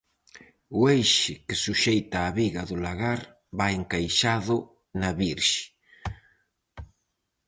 O eixe que suxeita a viga do lagar vai encaixado na virxe.